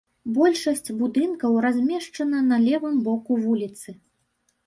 Большасць будынкаў размешчана на левым боку вуліцы.